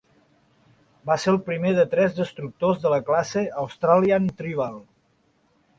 Va ser el primer de tres destructors de la classe Australian Tribal.